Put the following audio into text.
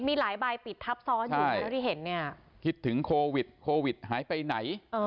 มีหลายบายปิดทับซ้อนอยู่นะที่เห็นคิดถึงโควิด๕หายไปไหน